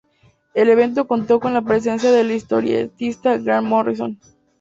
El evento contó con la presencia del historietista Grant Morrison.